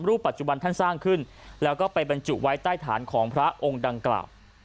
ปัจจุบันท่านสร้างขึ้นแล้วก็ไปบรรจุไว้ใต้ฐานของพระองค์ดังกล่าว